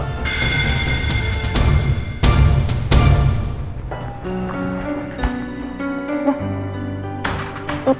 tidak ada waktu lagi